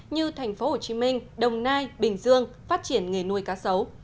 như thành phố hồ chí minh đồng nai bình dương phát triển nghề nuôi cá sấu